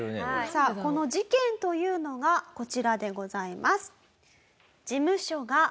さあこの事件というのがこちらでございます。